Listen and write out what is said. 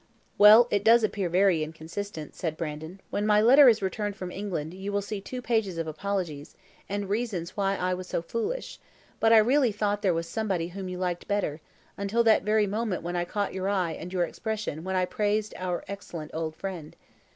"Well, it does appear very inconsistent," said Brandon. "When my letter is returned from England, you will see two pages of apologies, and reasons why I was so foolish; but I really thought there was somebody whom you liked better, until that very moment when I caught your eye and your expression when I praised our excellent old friend.